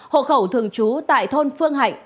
hộ khẩu thường trú tại thôn phương hạnh